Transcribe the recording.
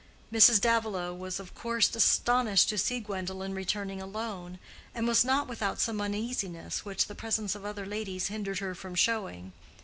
Mrs. Davilow was of course astonished to see Gwendolen returning alone, and was not without some uneasiness which the presence of other ladies hindered her from showing.